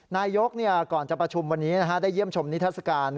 นายกก่อนจะประชุมวันนี้ได้เยี่ยมชมนิทัศกาล